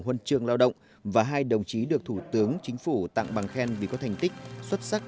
huân trường lao động và hai đồng chí được thủ tướng chính phủ tặng bằng khen vì có thành tích xuất sắc